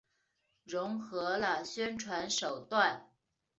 融合了宣传手段。